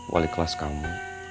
wali kelas kamu